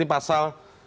ini pasal tiga puluh tiga